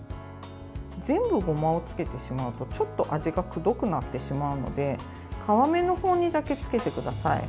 全部ごまをつけてしまうとちょっと味がくどくなってしまうので皮目の方にだけつけてください。